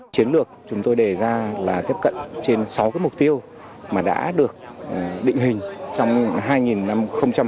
chiến lược chúng tôi đề ra là tiếp cận trên sáu cái mục tiêu mà đã được định hình trong năm hai nghìn hai mươi hai